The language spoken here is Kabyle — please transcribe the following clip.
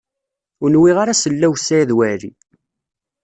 Ur nwiɣ ara sellaw Saɛid Waɛli.